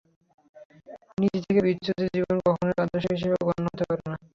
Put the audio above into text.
নীতি থেকে বিচ্যুত জীবন কখনোই আদর্শ হিসেবে গণ্য হতে পারে না।